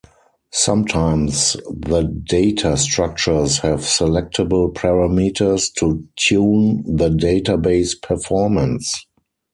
Sometimes the data structures have selectable parameters to tune the database performance.